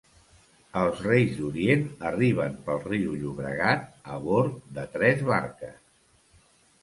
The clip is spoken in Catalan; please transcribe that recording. Els Reis d'Orient arriben pel riu Llobregat a bord de tres barques.